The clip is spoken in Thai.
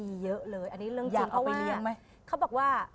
มีเยอะเลยอันนี้เรื่องจริงเพราะว่า